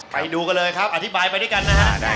ไปดูกันเลยครับอธิบายไปด้วยกันนะฮะ